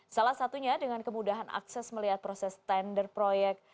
salah satunya dengan kemudahan akses melihat proses tender proyek